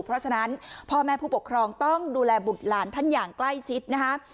เพราะฉะนั้นพ่อแม่ผู้ปกครองต้องดูแลบุตรหลานท่านอย่างใกล้ชิดนะคะ